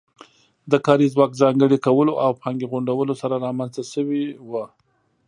د کاري ځواک ځانګړي کولو او پانګې غونډولو سره رامنځته شوې وه